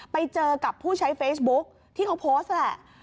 ไปเจอกับผู้ใช้เฟซบุ๊กที่เขาโพสต์